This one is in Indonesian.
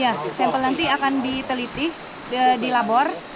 ya sampel nanti akan diteliti dilapor